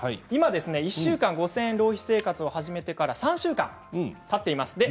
今１週間５０００円浪費生活を始めてから３週間たっています。